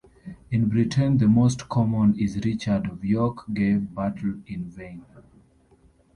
In Britain the most common is Richard Of York Gave Battle In Vain.